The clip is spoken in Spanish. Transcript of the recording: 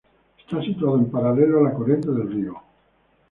Está situada en paralelo a la corriente del río.